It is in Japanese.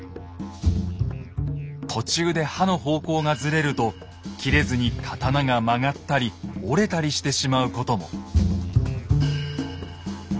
途中で刃の方向がずれると斬れずに刀が曲がったり折れたりしてしまうことも。